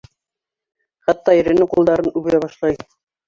Хатта иренең ҡулдарын үбә башлай.